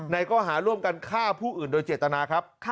ข้อหาร่วมกันฆ่าผู้อื่นโดยเจตนาครับ